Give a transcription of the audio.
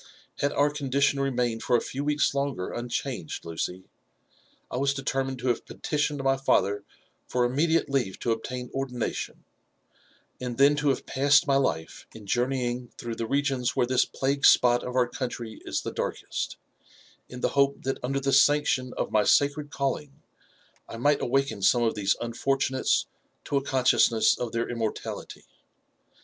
Had our condition remained for a few weeks longer unchanged, Lucy, I was delermiaed to have petitioned my fatherfor immediate leave to obtain ordination, and then to have passed my life in journeying through the regions where this plague spot of our coun try is the darkest, in the hope that under the sanction of jny saecred JONATHAN JEFFERSON WHITLAW. W ealliog I might awaken some of these unfortunates to a consciousness of their immortality.